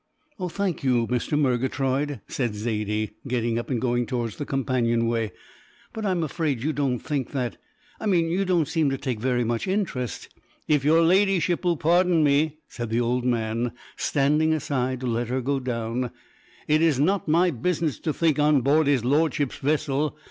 "Oh, thank you, Mr. Murgatroyd!" said Zaidie, getting up and going towards the companion way; "but I'm afraid you don't think that I mean you don't seem to take very much interest " "If your Ladyship will pardon me," said the old man, standing aside to let her go down, "it is not my business to think on board his Lordship's vessel.